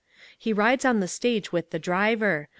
Hie rides on the stage with the driver.